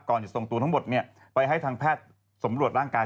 จะส่งตัวทั้งหมดไปให้ทางแพทย์สำรวจร่างกาย